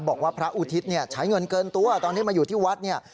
บอกว่าพระอุทิศเนี่ยใช้เงินเกินตัวตอนที่มาอยู่ที่วัดเนี่ย